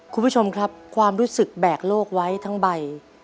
คุณผู้ชมครับความรู้สึกแบกโลกไว้ทั้งใบ